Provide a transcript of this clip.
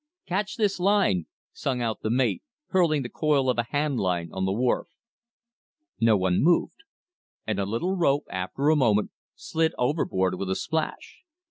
"Catch this line!" sung out the mate, hurling the coil of a handline on the wharf. No one moved, and the little rope, after a moment, slid overboard with a splash.